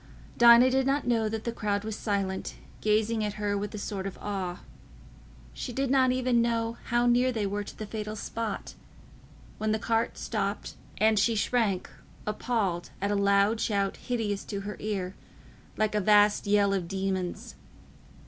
Dinah did not know that the crowd was silent, gazing at her with a sort of awe—she did not even know how near they were to the fatal spot, when the cart stopped, and she shrank appalled at a loud shout hideous to her ear, like a vast yell of demons.